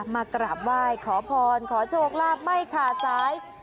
มากราบไหว้ขอพรขอโชคลาภไม่ขาดสาย